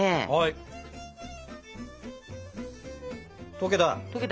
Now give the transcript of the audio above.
溶けた！